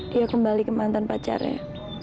dia kembali ke mantan pacarnya